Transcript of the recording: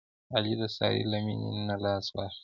علي د سارې له مینې نه لاس واخیست.